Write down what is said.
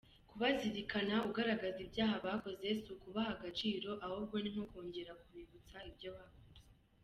Kubazirikana ugaragaza ibyaha bakoze si ukubaha agaciro ahubwo ni nko kongera kubibutsa ibyo bakoze.